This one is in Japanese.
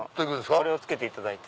これをつけていただいて。